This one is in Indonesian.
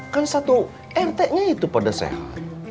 kan satu enteknya itu pada sehat